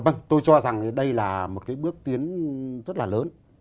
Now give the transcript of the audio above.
vâng tôi cho rằng đây là một cái bước tiến rất là lớn